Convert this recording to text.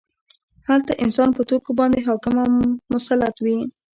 هلته انسان په توکو باندې حاکم او مسلط وي